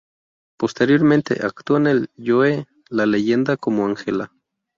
Posteriormente actuó en "El Joe, la leyenda" como Ángela.